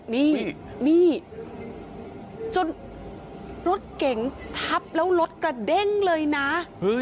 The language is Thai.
นี่นี่จนรถเก๋งทับแล้วรถกระเด้งเลยนะ